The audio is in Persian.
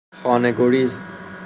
خانه گریز